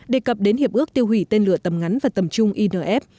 đề cập đến hiệp ước tiêu hủy tên lửa tầm ngắn và tầm trung inf